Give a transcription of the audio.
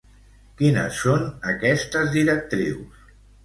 Quines són aquestes directrius?